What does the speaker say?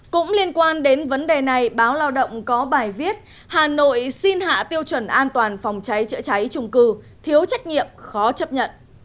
cũng liên quan đến vấn đề này báo lao động có bài viết hà nội xin hạ tiêu chuẩn an toàn phòng cháy chữa cháy trung cư thiếu trách nhiệm khó chấp nhận